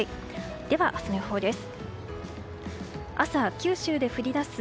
では、明日の予報です。